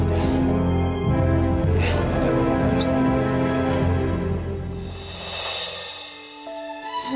ya gak apa apa maksudnya